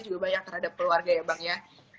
juga banyak terhadap keluarga ya bang ya